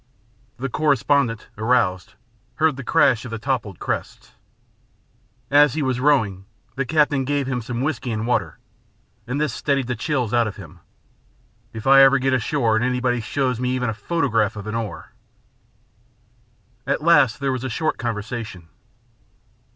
The correspondent, aroused, heard the crash of the toppled crests. As he was rowing, the captain gave him some whisky and water, and this steadied the chills out of him. "If I ever get ashore and anybody shows me even a photograph of an oar " At last there was a short conversation.